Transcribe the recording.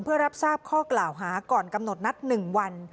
เพื่อรับทราบข้อกล่าวหาก่อนกำหนดนัด๑วัน